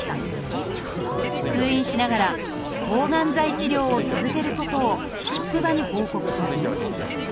通院しながら抗がん剤治療を続けることを職場に報告しました。